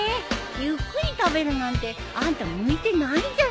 ゆっくり食べるなんてあんた向いてないんじゃない？